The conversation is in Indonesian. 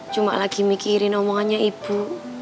cuma lagi mikirin omongannya ibu